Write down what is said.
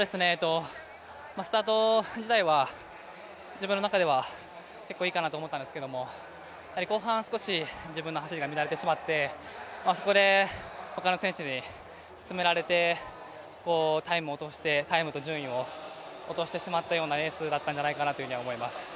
スタート自体は自分の中では結構いいかなと思ったんですけど後半少し自分の走りが乱れてしまって、そこで他の選手に詰められてタイムと順位を落としてしまったようなレースだったんじゃないかなとは思います。